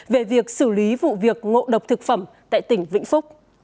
về việc xử lý vụ việc ngộ độc thực phẩm tại tỉnh vĩnh phúc